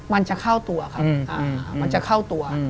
มันจะเข้าตัว